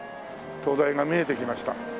東大が見えてきました。